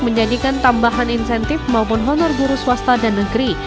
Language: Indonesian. menjadikan tambahan insentif maupun honor guru swasta dan negeri